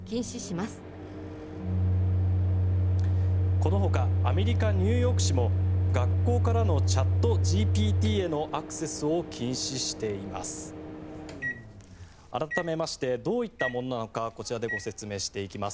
このほかアメリカ・ニューヨーク市も学校からのＣｈａｔＧＰＴへのアクセスを禁止しています。